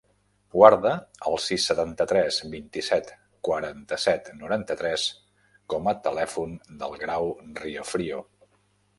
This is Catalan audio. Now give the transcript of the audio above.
Guarda el sis, setanta-tres, vint-i-set, quaranta-set, noranta-tres com a telèfon del Grau Riofrio.